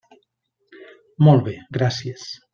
Molt bé, gràcies.